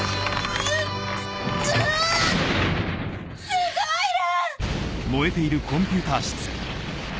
すごい蘭！